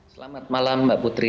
selamat malam mbak putri